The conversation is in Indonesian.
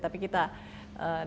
tapi kita diskusikan